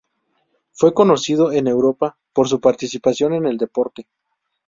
Fue conocido en Europa por su participación en el deporte.